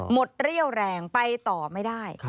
เรี่ยวแรงไปต่อไม่ได้